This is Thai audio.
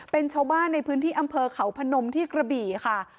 เป็นชาวบ้านในพื้นที่อำเภอเขาพนมที่กระบี่ค่ะ